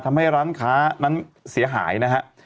ทำให้ร้านค้านั้นเสียหายนะฮะ